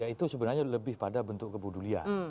ya itu sebenarnya lebih pada bentuk kebudulian